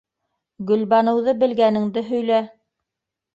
Гөлбаныуҙы белгәнеңде һөйлә...